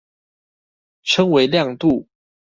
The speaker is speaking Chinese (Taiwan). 稱為亮度